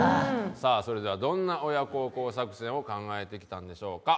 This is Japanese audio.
さあそれではどんな親孝行作戦を考えてきたんでしょうか。